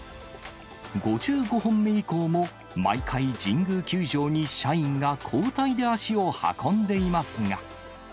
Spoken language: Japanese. ５５本目以降も毎回、神宮球場に社員が交代で足を運んでいますが。